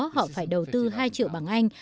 họ phải đầu tư hai triệu bằng anh